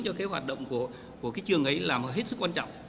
cho cái hoạt động của cái trường ấy là hết sức quan trọng